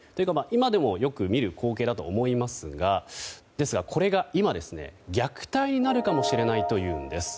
今でも、よく見る光景だとは思いますがですがこれが今、虐待になるかもしれないというんです。